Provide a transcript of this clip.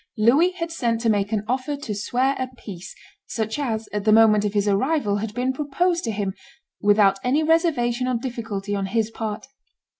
Louis had sent to make an offer to swear a peace, such as, at the moment of his arrival, had been proposed to him, without any reservation or difficulty on his part.